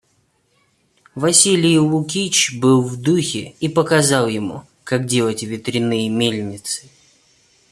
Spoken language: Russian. Василий Лукич был в духе и показал ему, как делать ветряные мельницы.